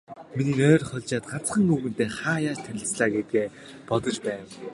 Миний нойр хулжаад, ганцхан, өвгөнтэй хаа яаж танилцлаа гэдгийг бодож байв.